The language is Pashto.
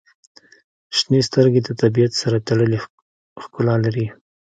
• شنې سترګې د طبیعت سره تړلې ښکلا لري.